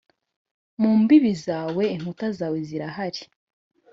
mu mbibi zawe Inkuta zawe zirahari